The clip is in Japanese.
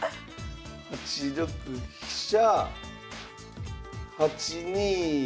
８六飛車８二歩成。